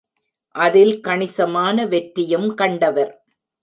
அதில் கணிசமான வெற்றியும் கண்டவர்.